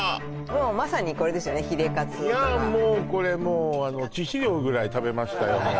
もうまさにこれですよねヒレかつとかいやこれもう致死量ぐらい食べましたよ